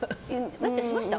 なっちゃんしました？